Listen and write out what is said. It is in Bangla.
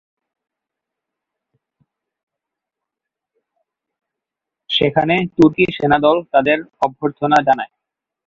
সেখানে তুর্কী সেনাদল তাদের অভ্যর্থনা জানায়।